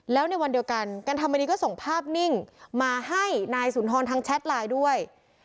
แล้วในวันเดียวกันกันธรรมนีก็ส่งภาพนิ่งมาให้นายสุนทรทางแชทไลน์ด้วย